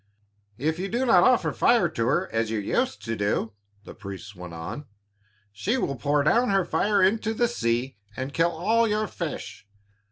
"If you do not offer fire to her, as you used to do," the priests went on, "she will pour down her fire into the sea and kill all your fish.